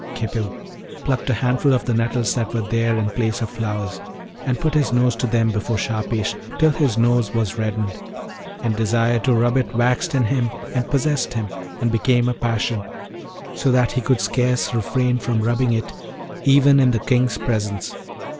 Khipil plucked a handful of the nettles that were there in the place of flowers, and put his nose to them before Shahpesh, till his nose was reddened; and desire to rub it waxed in him, and possessed him, and became a passion, so that he could scarce refrain from rubbing it even in the King's presence.